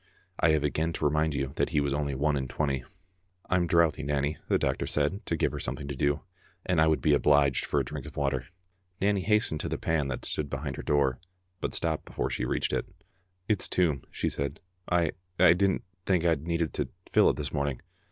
I have again to remind you that he was only one and twenty. "I'm drouthy, Nanny," the doctor said, to give her something to do, " and I would be obliged for a drink of water." Nanny hastened to the pan that stood behind her door, but stopped before she reached it. "It's toom," she said, "I — I didna think I needed to fill it this morning.